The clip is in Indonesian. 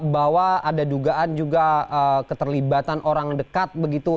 bahwa ada juga dugaan keterlibatan orang dekat